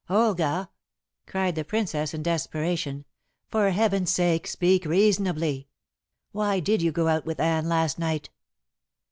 "Olga!" cried the Princess in desperation, "for Heaven's sake speak reasonably! Why did you go out with Anne last night?"